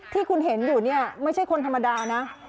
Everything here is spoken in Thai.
ที่คุณเห็นอยู่เนี่ยไม่ใช่คนธรรมดานะ